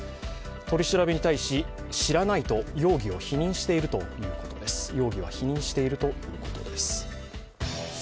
取り調べに対し、知らないと容疑を否認しているということです。